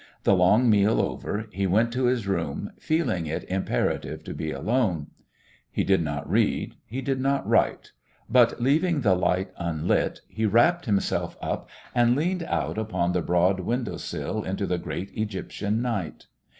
The long meal over, he went to his room, feeling it imperative to be alone. He did not read, he did not write; but, leaving the light unlit, he wrapped himself up and leaned out upon the broad window sill into the great Egyptian night.